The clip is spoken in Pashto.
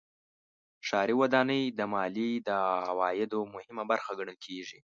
ښاري ودانۍ د مالیې د عوایدو مهمه برخه ګڼل کېږي.